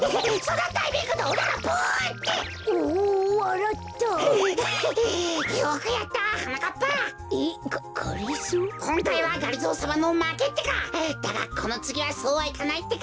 だがこのつぎはそうはいかないってか！